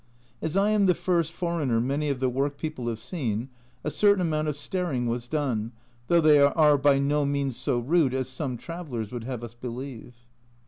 As I am the first foreigner many of the work people have seen, a certain amount of staring was done, though they are by no means so rude as some travellers would have us believe.